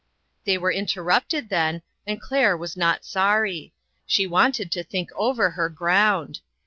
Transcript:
'' They were interrupted then, and Claire was not sorry. She wanted to think over her ground.